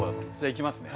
いきますね。